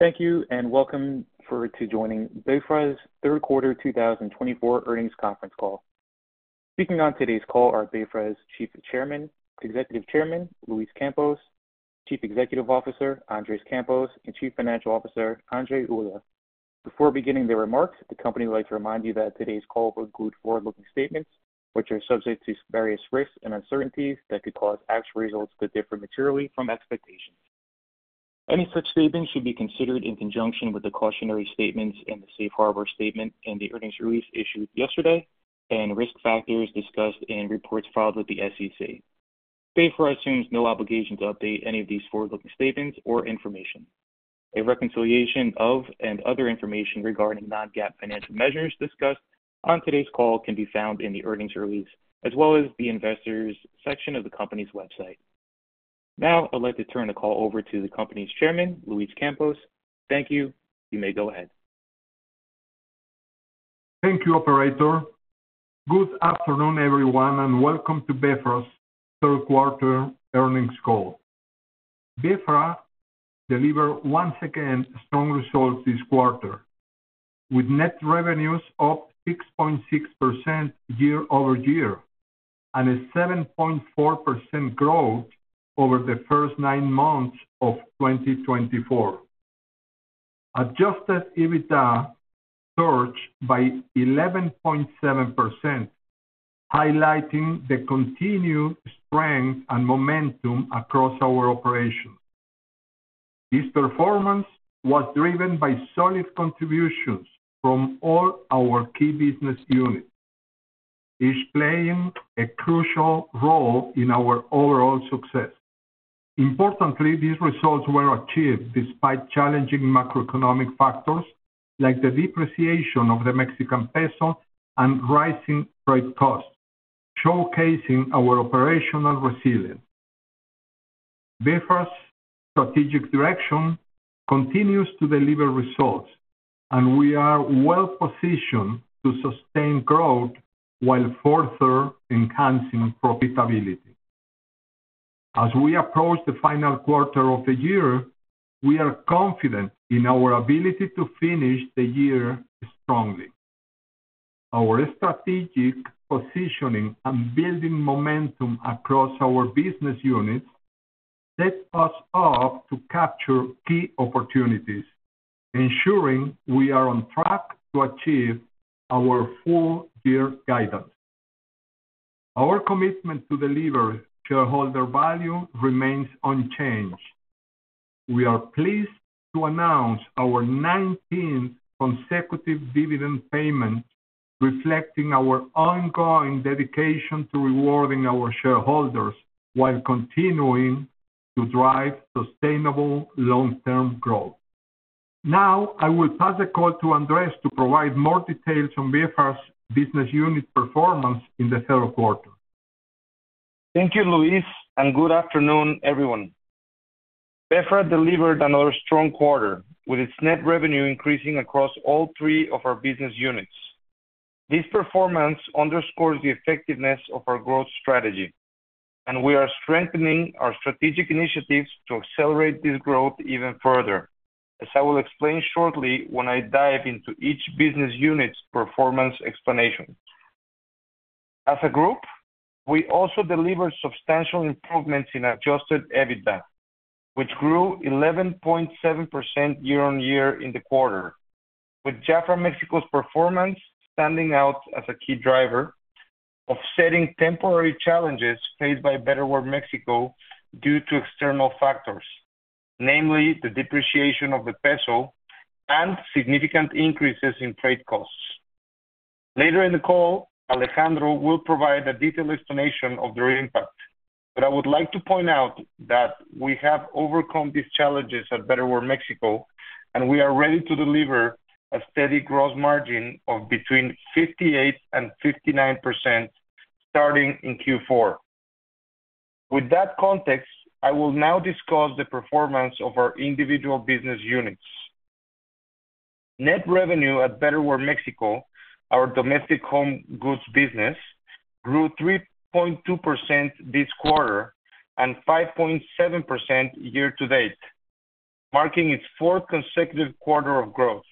Thank you, and welcome to joining BeFra's Third Quarter 2024 Earnings Conference Call. Speaking on today's call are BeFra's Executive Chairman, Luis Campos, Chief Executive Officer, Andres Campos, and Chief Financial Officer, Alejandro Ulloa. Before beginning the remarks, the company would like to remind you that today's call includes forward-looking statements, which are subject to various risks and uncertainties that could cause actual results to differ materially from expectations. Any such statements should be considered in conjunction with the cautionary statements and the safe harbor statement in the earnings release issued yesterday and risk factors discussed in reports filed with the SEC. BeFra assumes no obligation to update any of these forward-looking statements or information. A reconciliation of, and other information regarding non-GAAP financial measures discussed on today's call can be found in the earnings release, as well as the investors section of the company's website. Now, I'd like to turn the call over to the company's chairman, Luis Campos. Thank you. You may go ahead. Thank you, operator. Good afternoon, everyone, and welcome to BeFra's third quarter earnings call. BeFra delivered once again strong results this quarter, with net revenues up 6.6% year-over-year, and a 7.4% growth over the first nine months of 2024. Adjusted EBITDA surged by 11.7%, highlighting the continued strength and momentum across our operations. This performance was driven by solid contributions from all our key business units, each playing a crucial role in our overall success. Importantly, these results were achieved despite challenging macroeconomic factors, like the depreciation of the Mexican peso and rising trade costs, showcasing our operational resilience. BeFra's strategic direction continues to deliver results, and we are well positioned to sustain growth while further enhancing profitability. As we approach the final quarter of the year, we are confident in our ability to finish the year strongly. Our strategic positioning and building momentum across our business units sets us up to capture key opportunities, ensuring we are on track to achieve our full year guidance. Our commitment to deliver shareholder value remains unchanged. We are pleased to announce our nineteenth consecutive dividend payment, reflecting our ongoing dedication to rewarding our shareholders while continuing to drive sustainable long-term growth. Now, I will pass the call to Andres to provide more details on BeFra's business unit performance in the third quarter. Thank you, Luis, and good afternoon, everyone. BeFra delivered another strong quarter, with its net revenue increasing across all three of our business units. This performance underscores the effectiveness of our growth strategy, and we are strengthening our strategic initiatives to accelerate this growth even further, as I will explain shortly when I dive into each business unit's performance explanation. As a group, we also delivered substantial improvements in Adjusted EBITDA, which grew 11.7% year on year in the quarter, with Jafra Mexico's performance standing out as a key driver, offsetting temporary challenges faced by Betterware Mexico due to external factors, namely the depreciation of the peso and significant increases in trade costs. Later in the call, Alejandro will provide a detailed explanation of their impact. I would like to point out that we have overcome these challenges at Betterware Mexico, and we are ready to deliver a steady growth margin of between 58% and 59%, starting in Q4. With that context, I will now discuss the performance of our individual business units. Net revenue at Betterware Mexico, our domestic home goods business, grew 3.2% this quarter and 5.7% year-to-date, marking its fourth consecutive quarter of growth.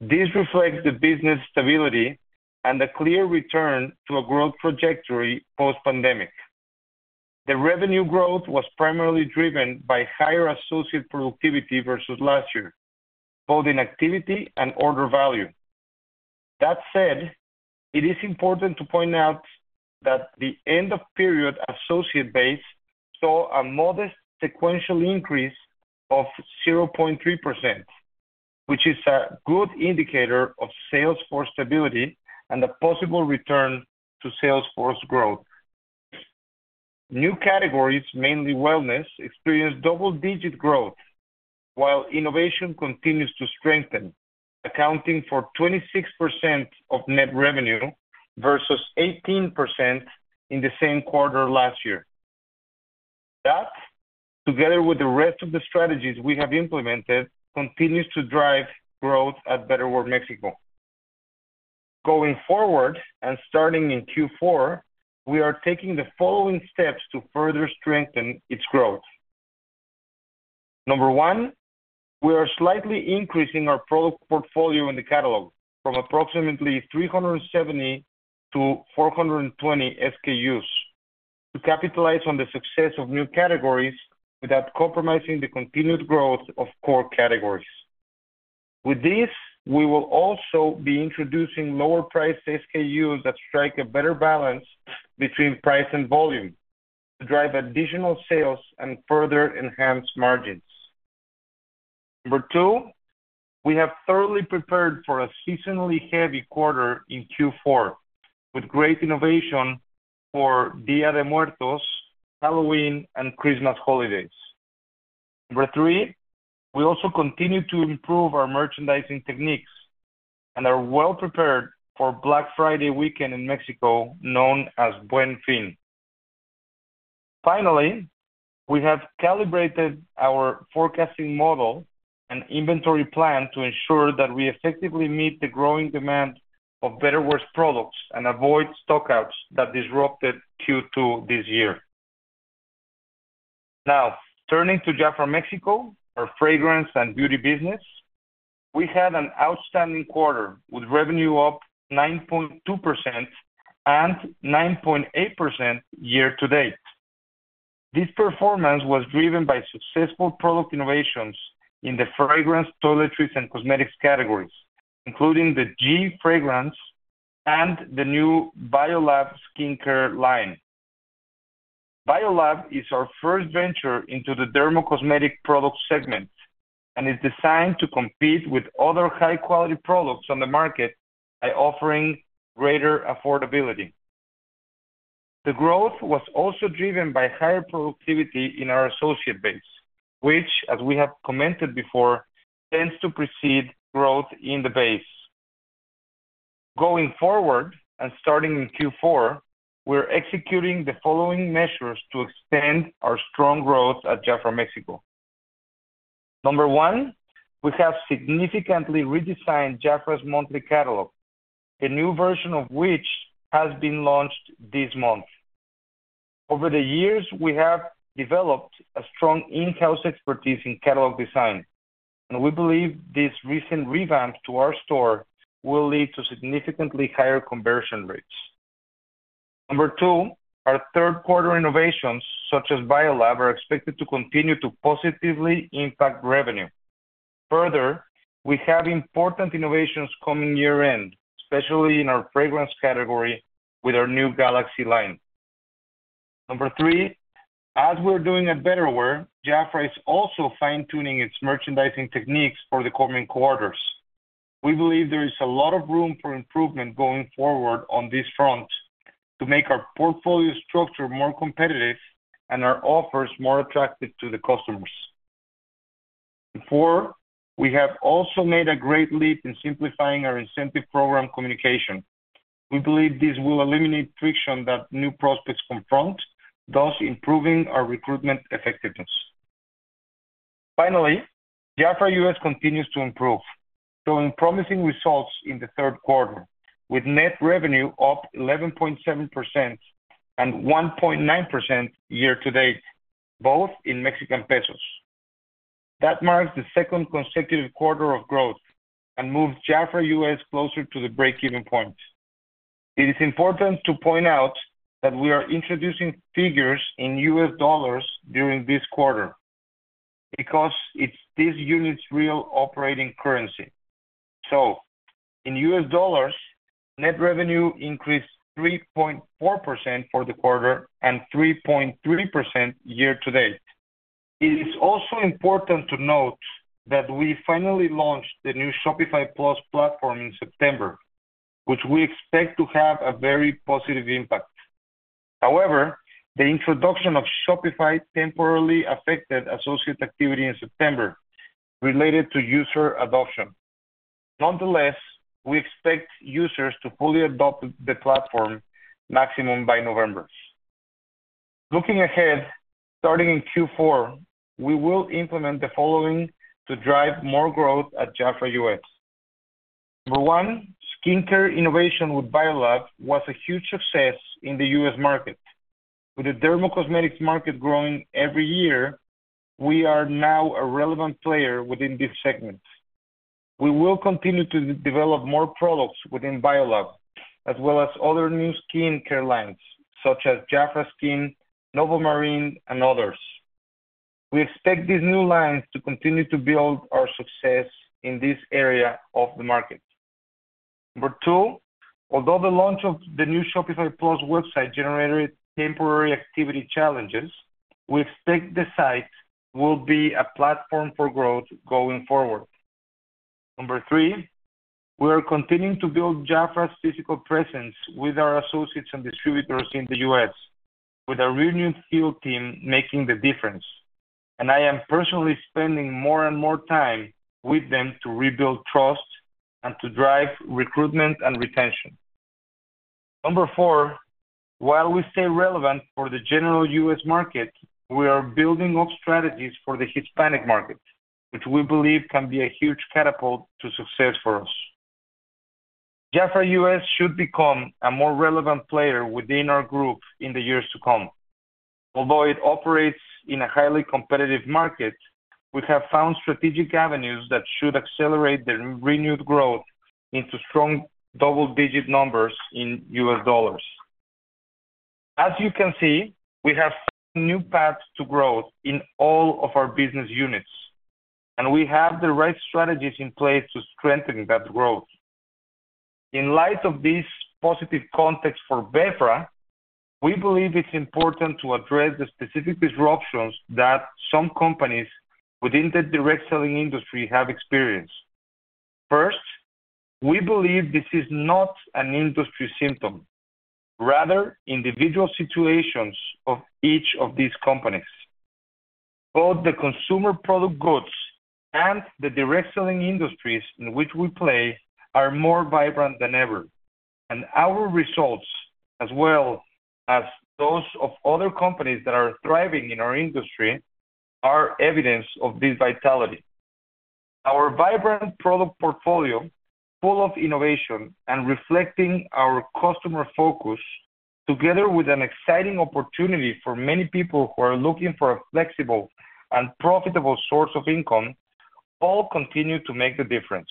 This reflects the business stability and a clear return to a growth trajectory post-pandemic. The revenue growth was primarily driven by higher associate productivity versus last year, both in activity and order value. That said, it is important to point out that the end of period associate base saw a modest sequential increase of 0.3%, which is a good indicator of sales force stability and a possible return to sales force growth. New categories, mainly wellness, experienced double-digit growth, while innovation continues to strengthen, accounting for 26% of net revenue versus 18% in the same quarter last year. That, together with the rest of the strategies we have implemented, continues to drive growth at Betterware Mexico. Going forward, and starting in Q4, we are taking the following steps to further strengthen its growth. Number one, we are slightly increasing our product portfolio in the catalog from approximately 370 to 420 SKUs, to capitalize on the success of new categories without compromising the continued growth of core categories. With this, we will also be introducing lower priced SKUs that strike a better balance between price and volume, to drive additional sales and further enhance margins. Number two, we have thoroughly prepared for a seasonally heavy quarter in Q4, with great innovation for Día de Muertos, Halloween, and Christmas holidays. Number three, we also continue to improve our merchandising techniques, and are well prepared for Black Friday weekend in Mexico, known as Buen Fin. Finally, we have calibrated our forecasting model and inventory plan to ensure that we effectively meet the growing demand of Betterware's products and avoid stockouts that disrupted Q2 this year. Now, turning to Jafra Mexico, our fragrance and beauty business, we had an outstanding quarter, with revenue up 9.2% and 9.8% year-to-date. This performance was driven by successful product innovations in the fragrance, toiletries, and cosmetics categories, including the Galaxy fragrance and the new Biolab skincare line. Biolab is our first venture into the dermacosmetics product segment, and is designed to compete with other high-quality products on the market by offering greater affordability. The growth was also driven by higher productivity in our associate base, which, as we have commented before, tends to precede growth in the base. Going forward, and starting in Q4, we're executing the following measures to extend our strong growth at Jafra Mexico. Number one, we have significantly redesigned Jafra's monthly catalog, a new version of which has been launched this month. Over the years, we have developed a strong in-house expertise in catalog design, and we believe this recent revamp to our store will lead to significantly higher conversion rates. Number two, our third quarter innovations such as Biolab, are expected to continue to positively impact revenue. Further, we have important innovations coming year-end, especially in our fragrance category with our new Galaxy line. Number three, as we're doing at Betterware, Jafra is also fine-tuning its merchandising techniques for the coming quarters. We believe there is a lot of room for improvement going forward on this front, to make our portfolio structure more competitive and our offers more attractive to the customers. Four, we have also made a great leap in simplifying our incentive program communication. We believe this will eliminate friction that new prospects confront, thus improving our recruitment effectiveness. Finally, Jafra U.S. continues to improve, showing promising results in the third quarter, with net revenue up 11.7% and 1.9% year-to-date, both in Mexican pesos. That marks the second consecutive quarter of growth and moves Jafra U.S. closer to the break-even point. It is important to point out that we are introducing figures in U.S. dollars during this quarter because it's this unit's real operating currency. So in U.S. dollars, net revenue increased 3.4% for the quarter and 3.3% year to date. It is also important to note that we finally launched the new Shopify Plus platform in September, which we expect to have a very positive impact. However, the introduction of Shopify temporarily affected associate activity in September related to user adoption. Nonetheless, we expect users to fully adopt the platform maximum by November. Looking ahead, starting in Q4, we will implement the following to drive more growth at Jafra U.S. Number one, skincare innovation with Biolab was a huge success in the U.S. market. With the dermacosmetics market growing every year, we are now a relevant player within this segment. We will continue to develop more products within Biolab, as well as other new skincare lines, such as Jafra Skin, Novomarine, and others. We expect these new lines to continue to build our success in this area of the market. Number two, although the launch of the new Shopify Plus website generated temporary activity challenges, we expect the site will be a platform for growth going forward. Number three, we are continuing to build Jafra's physical presence with our associates and distributors in the U.S., with our renewed field team making the difference. And I am personally spending more and more time with them to rebuild trust and to drive recruitment and retention… Number four, while we stay relevant for the general U.S. market, we are building up strategies for the Hispanic market, which we believe can be a huge catapult to success for us. Jafra U.S. should become a more relevant player within our group in the years to come. Although it operates in a highly competitive market, we have found strategic avenues that should accelerate the renewed growth into strong double-digit numbers in U.S. dollars. As you can see, we have new paths to growth in all of our business units, and we have the right strategies in place to strengthen that growth. In light of this positive context for BeFra, we believe it's important to address the specific disruptions that some companies within the direct selling industry have experienced. First, we believe this is not an industry symptom, rather individual situations of each of these companies. Both the consumer product goods and the direct selling industries in which we play are more vibrant than ever, and our results, as well as those of other companies that are thriving in our industry, are evidence of this vitality. Our vibrant product portfolio, full of innovation and reflecting our customer focus, together with an exciting opportunity for many people who are looking for a flexible and profitable source of income, all continue to make the difference.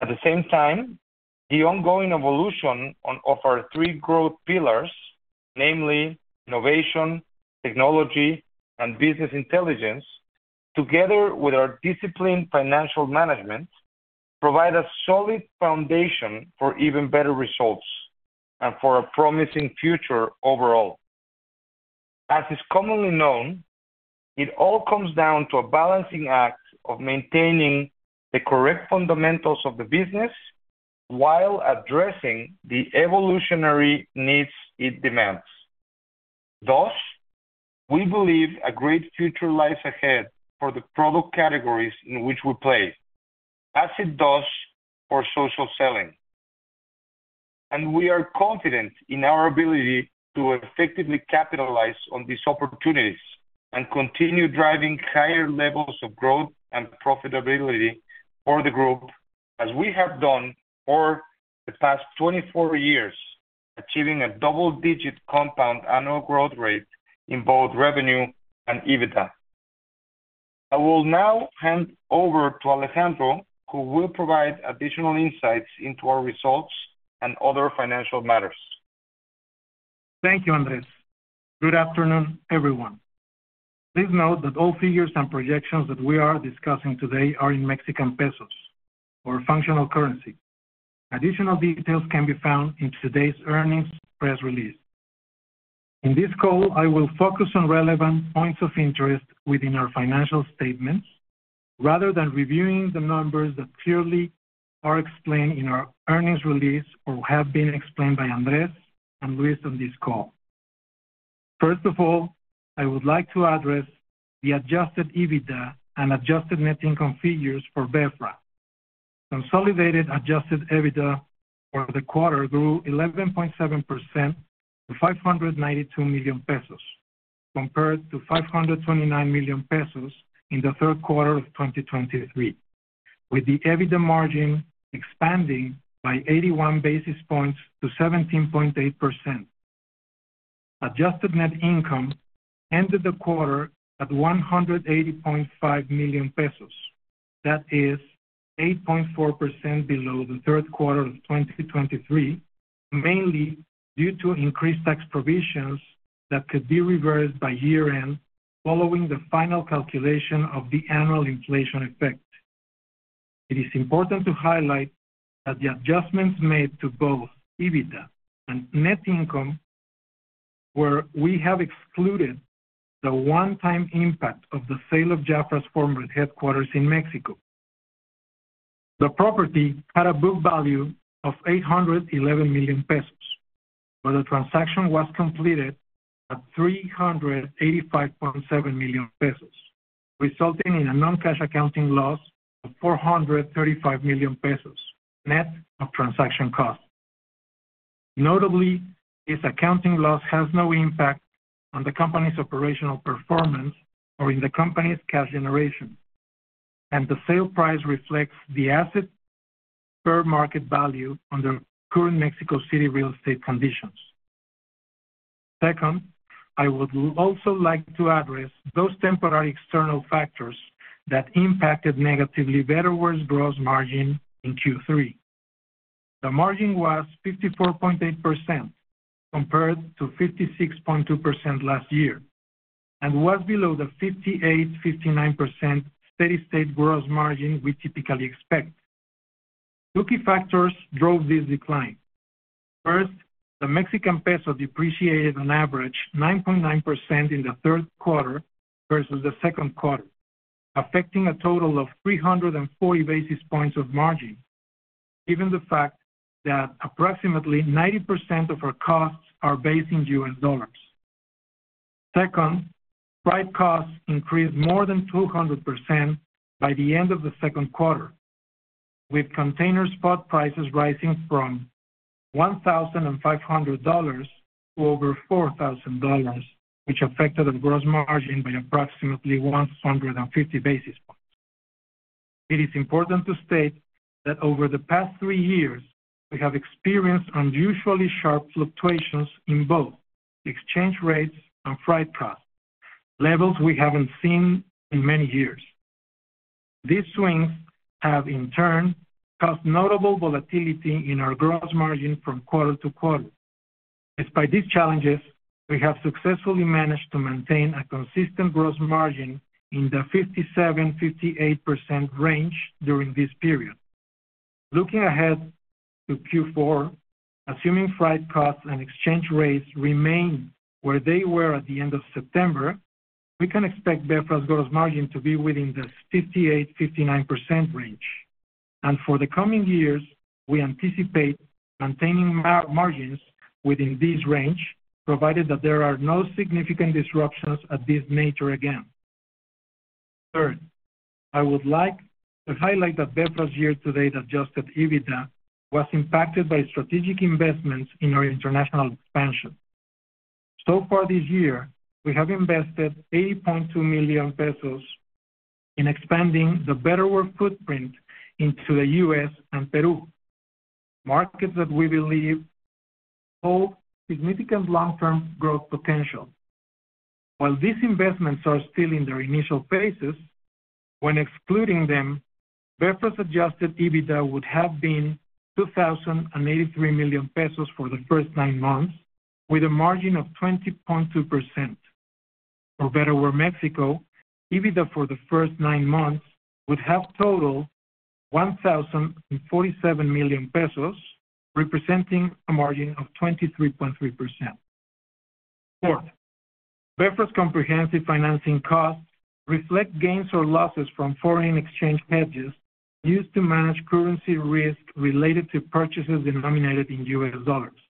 At the same time, the ongoing evolution of our three growth pillars, namely innovation, technology, and business intelligence, together with our disciplined financial management, provide a solid foundation for even better results and for a promising future overall. As is commonly known, it all comes down to a balancing act of maintaining the correct fundamentals of the business while addressing the evolutionary needs it demands. Thus, we believe a great future lies ahead for the product categories in which we play, as it does for social selling, and we are confident in our ability to effectively capitalize on these opportunities and continue driving higher levels of growth and profitability for the group, as we have done for the past twenty-four years, achieving a double-digit compound annual growth rate in both revenue and EBITDA. I will now hand over to Alejandro, who will provide additional insights into our results and other financial matters. Thank you, Andres. Good afternoon, everyone. Please note that all figures and projections that we are discussing today are in Mexican pesos or functional currency. Additional details can be found in today's earnings press release. In this call, I will focus on relevant points of interest within our financial statements, rather than reviewing the numbers that clearly are explained in our earnings release or have been explained by Andres and Luis on this call. First of all, I would like to address the Adjusted EBITDA and adjusted net income figures for BeFra. Consolidated Adjusted EBITDA for the quarter grew 11.7% to 592 million pesos, compared to 529 million pesos in the third quarter of 2023, with the EBITDA margin expanding by 81 basis points to 17.8%. Adjusted Net Income ended the quarter at 180.5 million pesos. That is 8.4% below the third quarter of 2023, mainly due to increased tax provisions that could be reversed by year-end following the final calculation of the annual inflation effect. It is important to highlight that the adjustments made to both EBITDA and net income, where we have excluded the one-time impact of the sale of Jafra's former headquarters in Mexico. The property had a book value of 811 million pesos, but the transaction was completed at 385.7 million pesos, resulting in a non-cash accounting loss of 435 million pesos, net of transaction costs. Notably, this accounting loss has no impact on the company's operational performance or in the company's cash generation, and the sale price reflects the asset fair market value under current Mexico City real estate conditions. Second, I would also like to address those temporary external factors that impacted negatively Betterware's gross margin in Q3. The margin was 54.8%, compared to 56.2% last year, and was below the 58-59% steady-state gross margin we typically expect. Two key factors drove this decline. First, the Mexican peso depreciated on average 9.9% in the third quarter versus the second quarter, affecting a total of 340 basis points of margin, given the fact that approximately 90% of our costs are based in U.S. dollars. Second, freight costs increased more than 200% by the end of the second quarter, with container spot prices rising from $1,500 to over $4,000, which affected our gross margin by approximately 150 basis points. It is important to state that over the past three years, we have experienced unusually sharp fluctuations in both exchange rates and freight costs, levels we haven't seen in many years. These swings have, in turn, caused notable volatility in our gross margin from quarter to quarter. Despite these challenges, we have successfully managed to maintain a consistent gross margin in the 57%-58% range during this period. Looking ahead to Q4, assuming freight costs and exchange rates remain where they were at the end of September, we can expect BeFra's gross margin to be within the 58%-59% range. And for the coming years, we anticipate maintaining margins within this range, provided that there are no significant disruptions of this nature again. Third, I would like to highlight that BeFra's year-to-date adjusted EBITDA was impacted by strategic investments in our international expansion. So far this year, we have invested 80.2 million pesos in expanding the Betterware footprint into the U.S. and Peru, markets that we believe hold significant long-term growth potential. While these investments are still in their initial phases, when excluding them, BeFra's adjusted EBITDA would have been 2,083 million pesos for the first nine months, with a margin of 20.2%. For Betterware Mexico, EBITDA for the first nine months would have totaled 1,047 million pesos, representing a margin of 23.3%. Fourth, BeFra's comprehensive financing costs reflect gains or losses from foreign exchange hedges used to manage currency risk related to purchases denominated in U.S. dollars.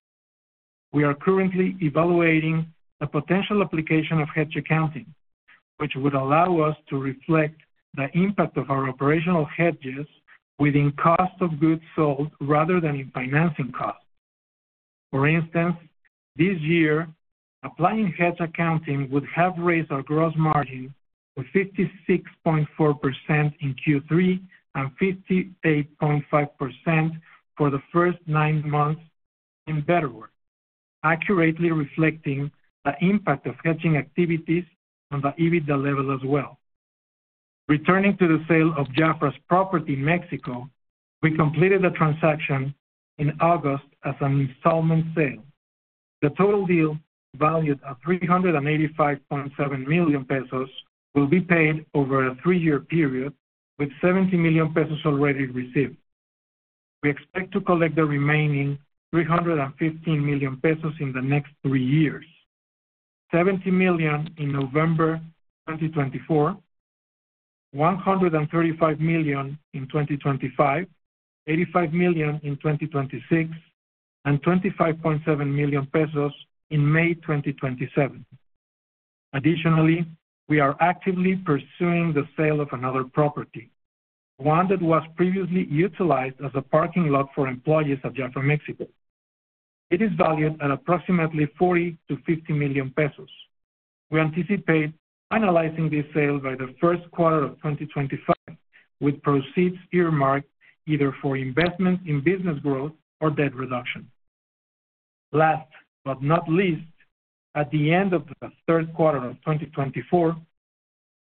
We are currently evaluating the potential application of hedge accounting, which would allow us to reflect the impact of our operational hedges within cost of goods sold rather than in financing costs. For instance, this year, applying hedge accounting would have raised our gross margin to 56.4% in Q3 and 58.5% for the first nine months in Betterware, accurately reflecting the impact of hedging activities on the EBITDA level as well. Returning to the sale of Jafra's property in Mexico, we completed the transaction in August as an installment sale. The total deal, valued at 385.7 million pesos, will be paid over a three-year period, with 70 million pesos already received. We expect to collect the remaining 315 million pesos in the next three years: 70 million in November 2024, 135 million in 2025, 85 million in 2026, and 25.7 million pesos in May 2027. Additionally, we are actively pursuing the sale of another property, one that was previously utilized as a parking lot for employees of Jafra Mexico. It is valued at approximately 40 million-50 million pesos. We anticipate finalizing this sale by the first quarter of 2025, with proceeds earmarked either for investment in business growth or debt reduction. Last but not least, at the end of the third quarter of twenty twenty-four,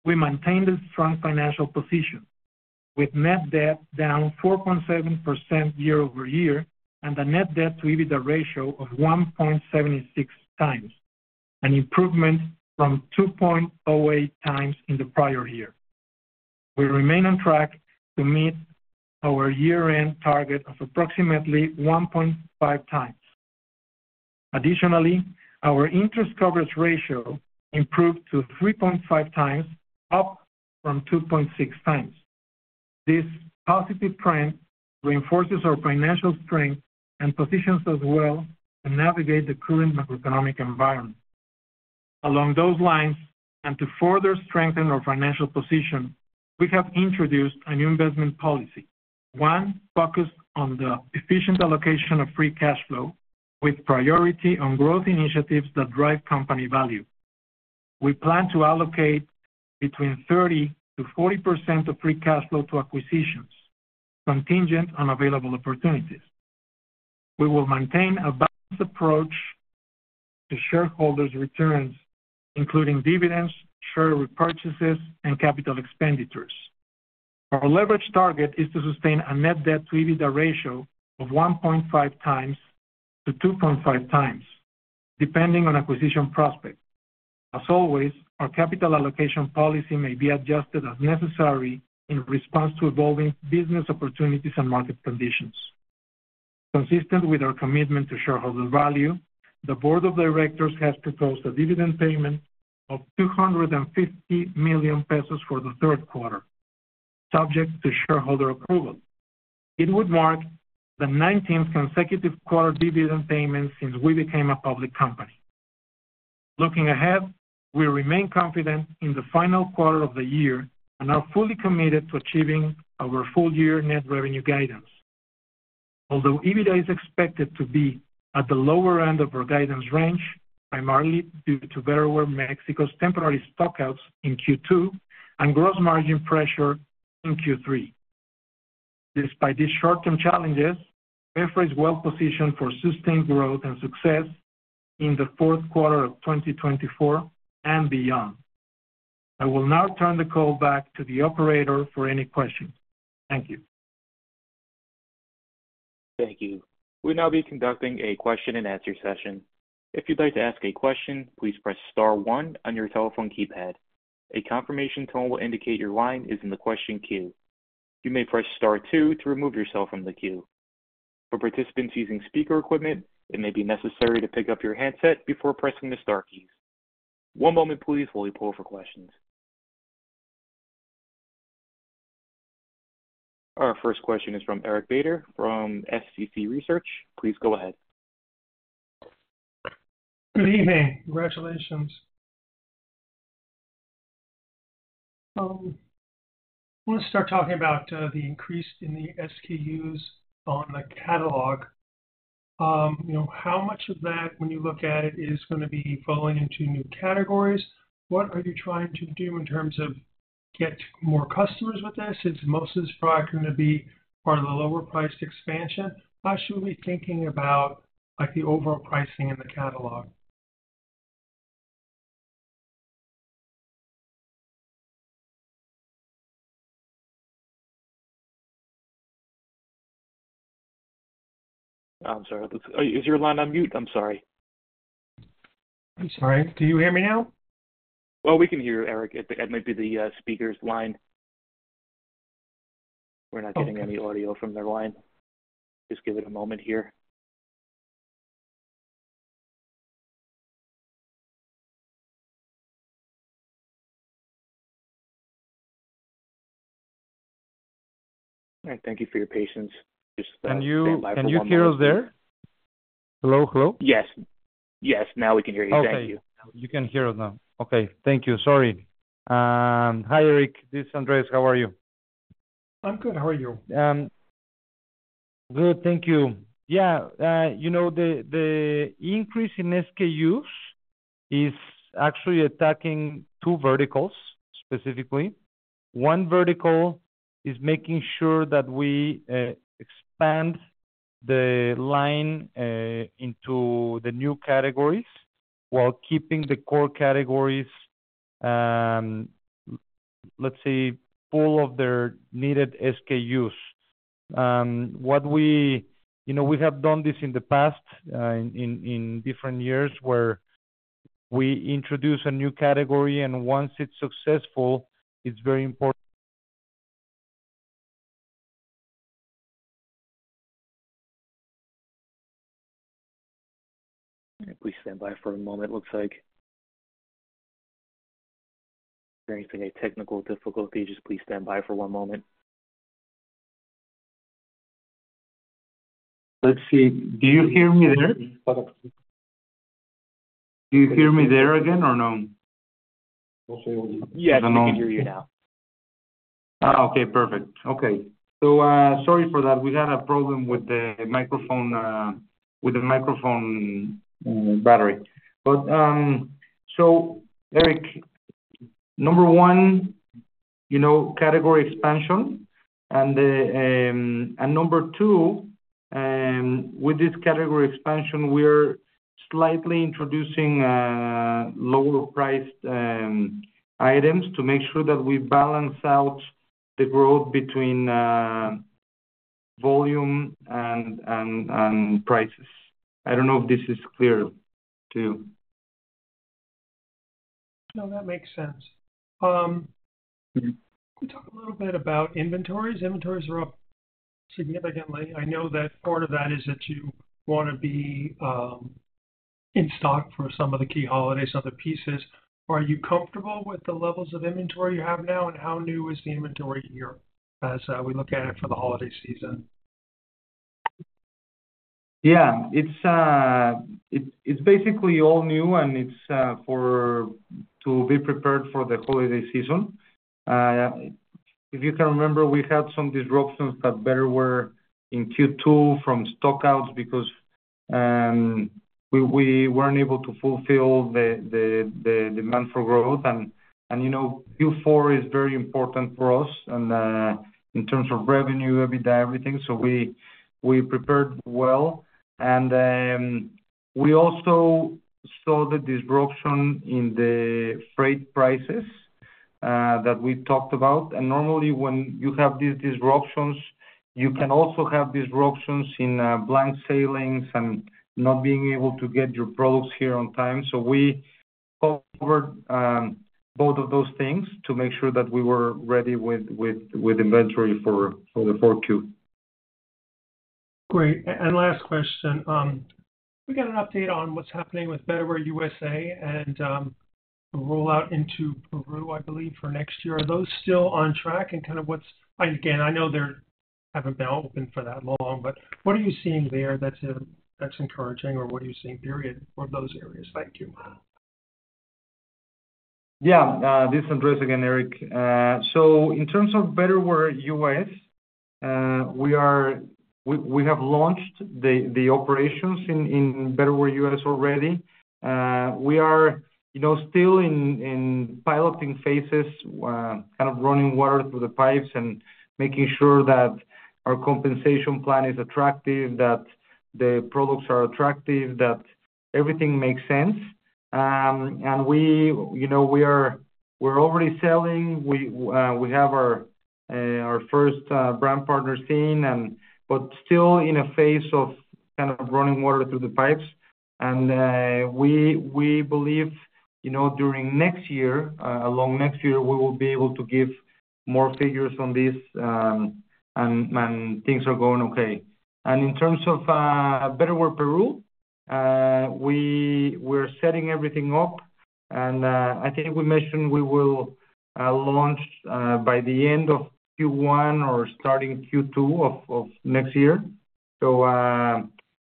we maintained a strong financial position, with net debt down 4.7% year-over-year, and a net debt to EBITDA ratio of 1.76x, an improvement from 2.08x in the prior year. We remain on track to meet our year-end target of approximately 1.5x. Additionally, our interest coverage ratio improved to 3.5x, up from 2.6x. This positive trend reinforces our financial strength and positions us well to navigate the current macroeconomic environment. Along those lines, and to further strengthen our financial position, we have introduced a new investment policy, one focused on the efficient allocation of free cash flow, with priority on growth initiatives that drive company value. We plan to allocate between 30%-40% of free cash flow to acquisitions, contingent on available opportunities. We will maintain a balanced approach to shareholders' returns, including dividends, share repurchases, and capital expenditures. Our leverage target is to sustain a net debt to EBITDA ratio of 1.5-2.5x, depending on acquisition prospects. As always, our capital allocation policy may be adjusted as necessary in response to evolving business opportunities and market conditions. Consistent with our commitment to shareholder value, the board of directors has proposed a dividend payment of 250 million pesos for the third quarter.... subject to shareholder approval. It would mark the nineteenth consecutive quarter dividend payment since we became a public company. Looking ahead, we remain confident in the final quarter of the year and are fully committed to achieving our full year net revenue guidance. Although EBITDA is expected to be at the lower end of our guidance range, primarily due to Betterware Mexico's temporary stockouts in Q2, and gross margin pressure in Q3. Despite these short-term challenges, BeFra is well positioned for sustained growth and success in the fourth quarter of 2024 and beyond. I will now turn the call back to the operator for any questions. Thank you. Thank you. We'll now be conducting a question and answer session. If you'd like to ask a question, please press star one on your telephone keypad. A confirmation tone will indicate your line is in the question queue. You may press star two to remove yourself from the queue. For participants using speaker equipment, it may be necessary to pick up your handset before pressing the star keys. One moment please, while we pull for questions. Our first question is from Eric Beder, from SCC Research. Please go ahead. Good evening. Congratulations. I want to start talking about the increase in the SKUs on the catalog. You know, how much of that, when you look at it, is gonna be falling into new categories? What are you trying to do in terms of get more customers with this? Is most of this product gonna be part of the lower priced expansion? How should we be thinking about, like, the overall pricing in the catalog? I'm sorry. Is your line on mute? I'm sorry. I'm sorry. Can you hear me now? We can hear you, Eric. It might be the speaker's line. Okay. We're not getting any audio from their line. Just give it a moment here. All right, thank you for your patience. Just, Can you, can you hear us there? Hello, hello. Yes. Yes, now we can hear you. Thank you. Okay. You can hear us now. Okay, thank you. Sorry. Hi, Eric, this is Andres. How are you? I'm good. How are you? Good, thank you. Yeah, you know, the increase in SKUs is actually attacking two verticals, specifically. One vertical is making sure that we expand the line into the new categories while keeping the core categories, let's say, full of their needed SKUs. You know, we have done this in the past, in different years, where we introduce a new category, and once it's successful, it's very important- Please stand by for a moment. Looks like experiencing a technical difficulty. Just please stand by for one moment. Let's see. Do you hear me there? Do you hear me there again or no? Yes, we can hear you now. Ah, okay, perfect. Okay. So, sorry for that. We had a problem with the microphone battery. But, so Eric, number one, you know, category expansion and number two, with this category expansion, we're slightly introducing lower priced items to make sure that we balance out the growth between volume and prices. I don't know if this is clear to you. No, that makes sense. Can we talk a little bit about inventories? Inventories are up significantly. I know that part of that is that you want to be in stock for some of the key holidays, other pieces. Are you comfortable with the levels of inventory you have now, and how new is the inventory? Yeah, as we look at it for the holiday season? Yeah, it's basically all new, and it's for to be prepared for the holiday season. If you can remember, we had some disruptions at Betterware in Q2 from stockouts because we weren't able to fulfill the demand for growth. You know, Q4 is very important for us in terms of revenue, EBITDA, everything, so we prepared well. We also saw the disruption in the freight prices that we talked about. Normally, when you have these disruptions, you can also have disruptions in blank sailings and not being able to get your products here on time. We covered both of those things to make sure that we were ready with inventory for the fourth Q.... Great. And last question, can we get an update on what's happening with Betterware US and the rollout into Peru, I believe, for next year? Are those still on track? And kind of what's and again, I know they haven't been open for that long, but what are you seeing there that's that's encouraging? Or what are you seeing, period, for those areas? Thank you. Yeah. This is Andres again, Eric. So in terms of Betterware U.S., we have launched the operations in Betterware U.S. already. We are, you know, still in piloting phases, kind of running water through the pipes and making sure that our compensation plan is attractive, that the products are attractive, that everything makes sense. And we, you know, we are already selling. We have our first brand partner seen and... But still in a phase of kind of running water through the pipes. And we believe, you know, during next year, along next year, we will be able to give more figures on this, and things are going okay. And in terms of Betterware Peru, we're setting everything up, and I think we mentioned we will launch by the end of Q1 or starting Q2 of next year. So,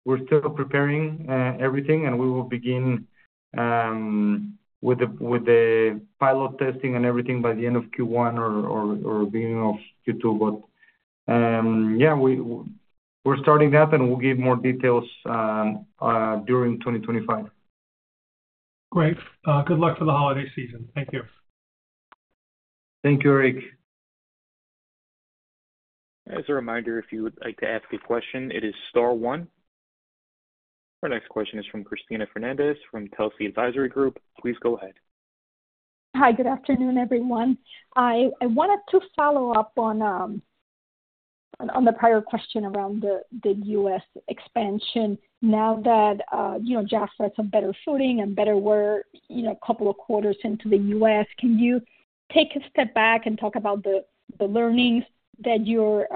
we're still preparing everything, and we will begin with the pilot testing and everything by the end of Q1 or beginning of Q2. But yeah, we're starting that, and we'll give more details during 2025. Great. Good luck for the holiday season. Thank you. Thank you, Eric. As a reminder, if you would like to ask a question, it is star one. Our next question is from Cristina Fernandez from Telsey Advisory Group. Please go ahead. Hi, good afternoon, everyone. I wanted to follow up on the prior question around the U.S. expansion. Now that you know, Jafra is on better footing and Betterware, you know, a couple of quarters into the U.S., can you take a step back and talk about the learnings that you're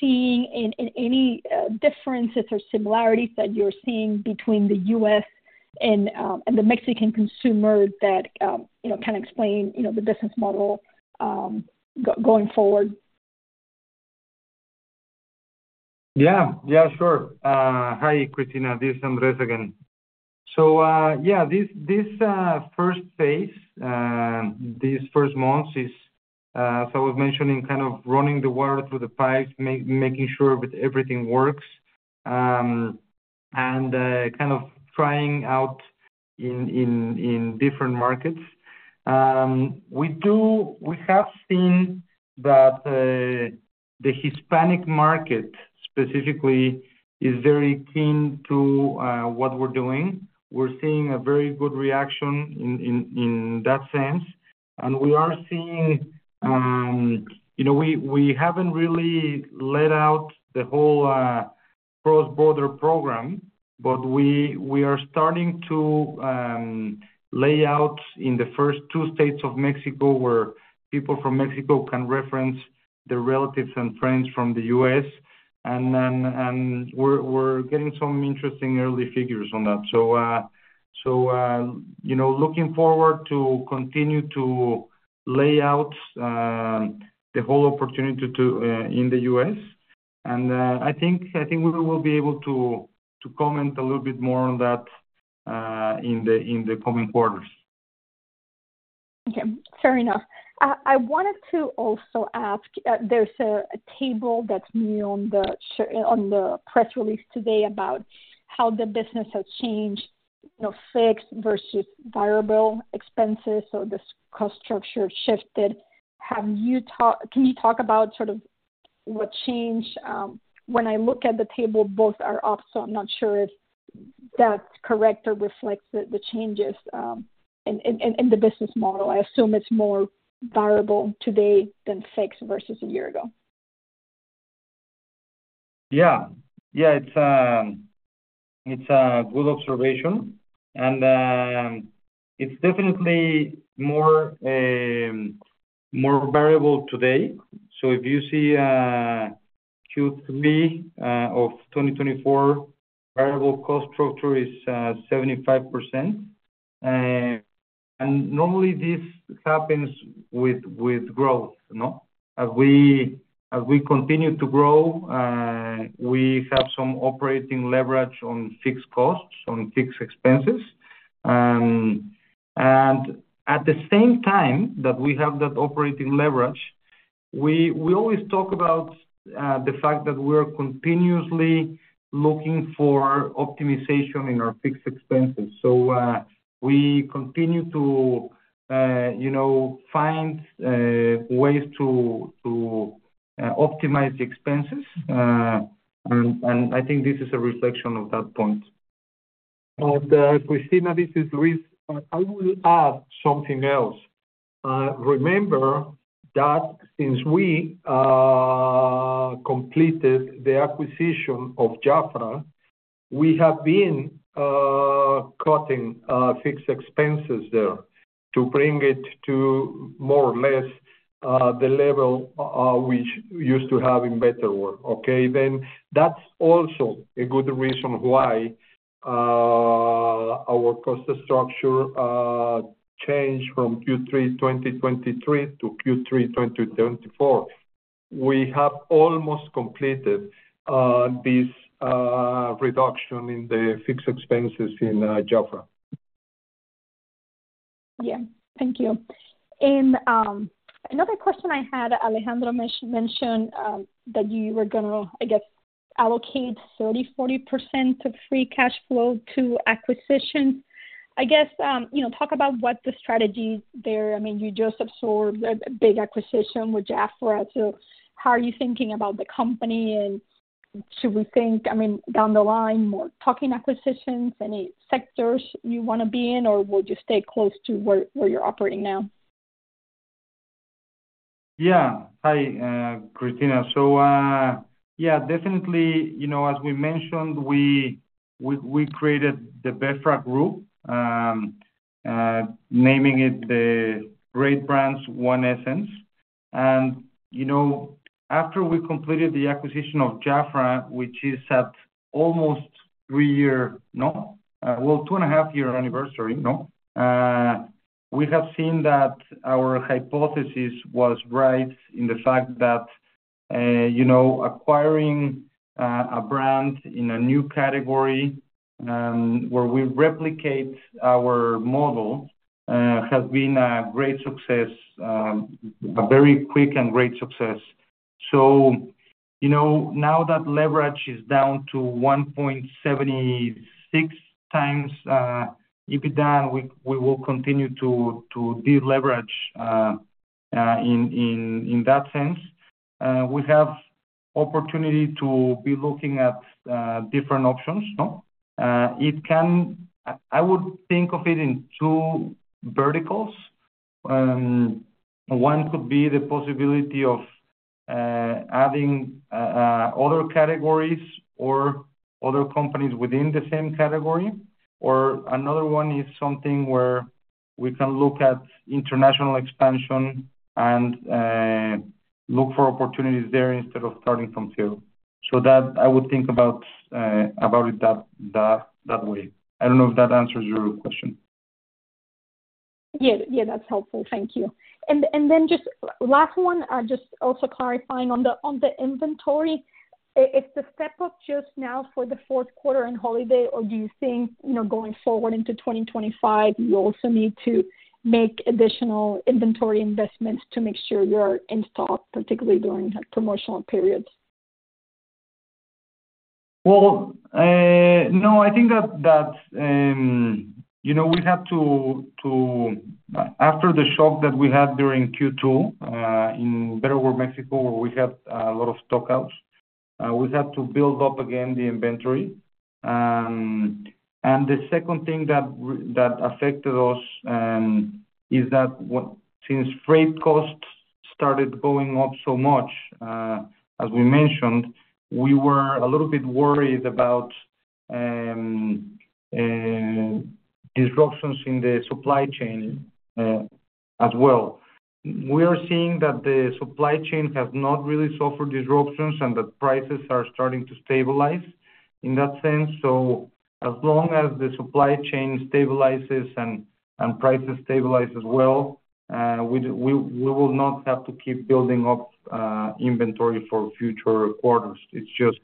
seeing and any differences or similarities that you're seeing between the U.S. and the Mexican consumer that you know can explain, you know, the business model going forward? Yeah. Yeah, sure. Hi, Cristina. This is Andres again. So, yeah, this first phase, these first months is, as I was mentioning, kind of running the water through the pipes, making sure that everything works, and kind of trying out in different markets. We have seen that the Hispanic market specifically is very keen to what we're doing. We're seeing a very good reaction in that sense, and we are seeing. You know, we haven't really let out the whole cross-border program, but we are starting to lay out in the first two states of Mexico, where people from Mexico can reference their relatives and friends from the U.S., and we're getting some interesting early figures on that. You know, looking forward to continue to lay out the whole opportunity in the U.S. I think we will be able to comment a little bit more on that in the coming quarters. Okay, fair enough. I wanted to also ask, there's a table that's new on the press release today about how the business has changed, you know, fixed versus variable expenses, so this cost structure shifted. Have you talked—can you talk about sort of what changed? When I look at the table, both are up, so I'm not sure if that's correct or reflects the changes in the business model. I assume it's more variable today than fixed versus a year ago. Yeah. Yeah, it's a good observation, and it's definitely more variable today. So if you see Q3 of 2024, variable cost structure is 75%. And normally this happens with growth, you know? As we continue to grow, we have some operating leverage on fixed costs, on fixed expenses. And at the same time that we have that operating leverage, we always talk about the fact that we are continuously looking for optimization in our fixed expenses. So we continue to, you know, find ways to optimize the expenses. And I think this is a reflection of that point. Cristina, this is Luis. I will add something else. Remember that since we completed the acquisition of Jafra, we have been.... cutting fixed expenses there to bring it to more or less the level we used to have in Betterware, okay? Then that's also a good reason why our cost structure changed from Q3 2023 to Q3 2024. We have almost completed this reduction in the fixed expenses in Jafra. Yeah. Thank you. And another question I had, Alejandro, mentioned that you were gonna, I guess, allocate 30%-40% of free cash flow to acquisition. I guess, you know, talk about what the strategy there. I mean, you just absorbed a big acquisition with Jafra, so how are you thinking about the company? And should we think, I mean, down the line, more tuck-in acquisitions, any sectors you wanna be in, or would you stay close to where you're operating now? Yeah. Hi, Cristina. So, yeah, definitely, you know, as we mentioned, we created the BeFra Group, naming it the Great Brands, One Essence. And, you know, after we completed the acquisition of Jafra, which is at almost three year, no, well, two and a half year anniversary, no? We have seen that our hypothesis was right in the fact that, you know, acquiring a brand in a new category, where we replicate our model, has been a great success, a very quick and great success. So, you know, now that leverage is down to 1.76 times EBITDA, we will continue to deleverage, in that sense. We have opportunity to be looking at different options, no? It can... I would think of it in two verticals. One could be the possibility of adding other categories or other companies within the same category, or another one is something where we can look at international expansion and look for opportunities there instead of starting from zero. So that, I would think about it that way. I don't know if that answers your question. Yeah, yeah, that's helpful. Thank you. And then just last one, just also clarifying on the inventory. Is the step up just now for the fourth quarter and holiday, or do you think, you know, going forward into twenty twenty-five, you also need to make additional inventory investments to make sure you're in stock, particularly during promotional periods? Well, no, I think that you know, after the shock that we had during Q2 in Betterware Mexico, where we had a lot of stockouts, we had to build up again the inventory, and the second thing that affected us is that since freight costs started going up so much, as we mentioned, we were a little bit worried about disruptions in the supply chain, as well. We are seeing that the supply chain has not really suffered disruptions and that prices are starting to stabilize in that sense, so as long as the supply chain stabilizes and prices stabilize as well, we will not have to keep building up inventory for future quarters. It's just,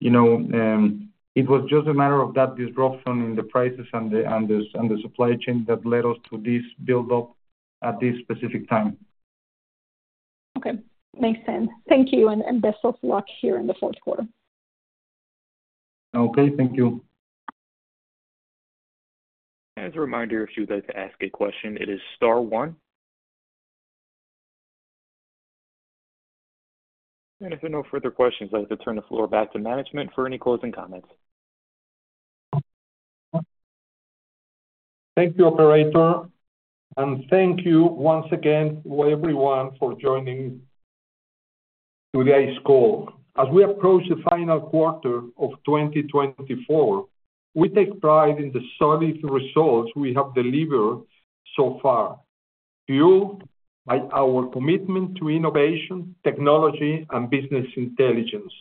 you know, it was just a matter of that disruption in the prices and the supply chain that led us to this build-up at this specific time. Okay. Makes sense. Thank you, and best of luck here in the fourth quarter. Okay, thank you. As a reminder, if you'd like to ask a question, it is star one. And if there are no further questions, I'd like to turn the floor back to management for any closing comments. Thank you, operator. And thank you once again, well, everyone, for joining today's call. As we approach the final quarter of twenty twenty-four, we take pride in the solid results we have delivered so far, fueled by our commitment to innovation, technology, and business intelligence.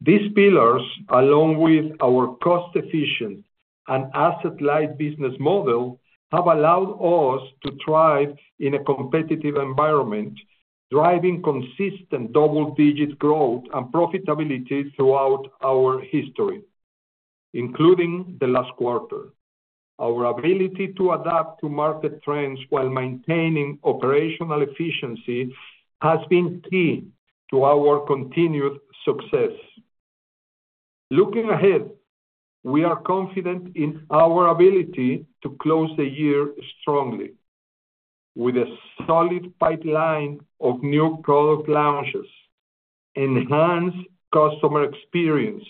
These pillars, along with our cost-efficient and asset-light business model, have allowed us to thrive in a competitive environment, driving consistent double-digit growth and profitability throughout our history, including the last quarter. Our ability to adapt to market trends while maintaining operational efficiency, has been key to our continued success. Looking ahead, we are confident in our ability to close the year strongly. With a solid pipeline of new product launches, enhanced customer experience,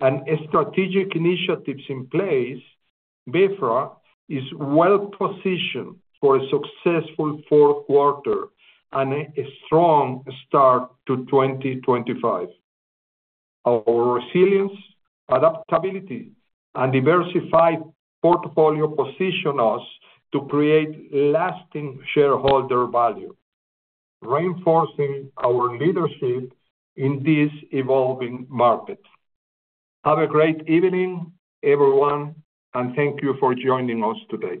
and strategic initiatives in place, BeFra is well positioned for a successful fourth quarter and a strong start to 2024. Our resilience, adaptability, and diversified portfolio position us to create lasting shareholder value, reinforcing our leadership in this evolving market. Have a great evening, everyone, and thank you for joining us today.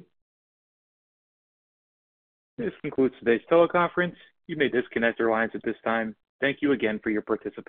This concludes today's teleconference. You may disconnect your lines at this time. Thank you again for your participation.